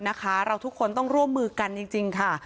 เราทุกคนต้องร่วมมือกันจริงค่ะ